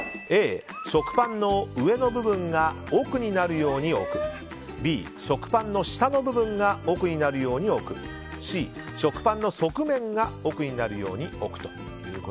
Ａ、食パンの上の部分が奥になるように置くＢ、食パンの下の部分が奥になるように置くＣ、食パンの側面が奥になるように置く。